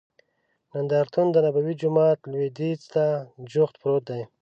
نندارتون دنبوي جومات لوید یځ ته جوخت پروت دی.